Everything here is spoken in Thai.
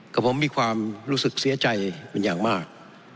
กับผมมีความรู้สึกเสียใจเป็นอย่างมาก